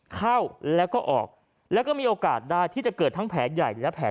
เข้าแล้วก็ออกแล้วก็มีโอกาสได้ที่จะเกิดทั้งแผลใหญ่และแผล